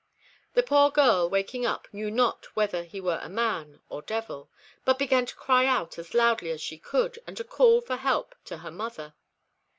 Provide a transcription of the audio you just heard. The poor girl, waking up, knew not whether he were man or devil, but began to cry out as loudly as she could, and to call for help to her mother.